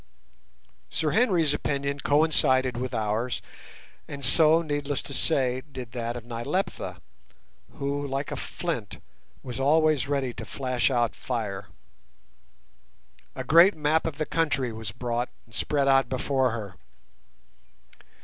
Sir Henry's opinion coincided with ours, and so, needless to say, did that of Nyleptha, who, like a flint, was always ready to flash out fire. A great map of the country was brought and spread out before her.